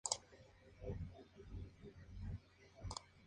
La posición preferida de Roberts es la de centro.